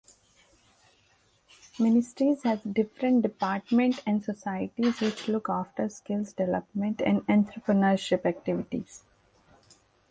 Ministry has different departments and societies which look after skill development and entrepreneurship activities.